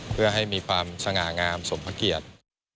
เพื่อให้มีความสง่างามสมพระเกียรติ